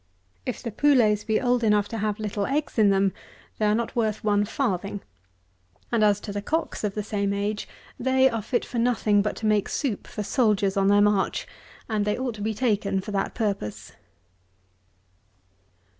If the poulets be old enough to have little eggs in them, they are not worth one farthing; and as to the cocks of the same age, they are fit for nothing but to make soup for soldiers on their march, and they ought to be taken for that purpose.